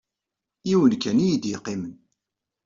Yiwen kan ay iyi-d-yeqqimen.